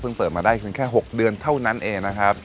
เพิ่งเปิดมาได้ถึงแค่๖เดือนเท่านั้นเองนะครับ